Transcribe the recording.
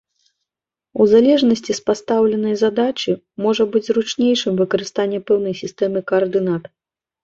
У залежнасці з пастаўленай задачы, можа быць зручнейшым выкарыстанне пэўнай сістэмы каардынат.